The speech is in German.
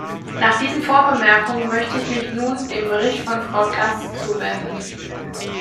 Nach diesen Vorbemerkungen möchte ich mich nun dem Bericht von Frau Klass zuwenden.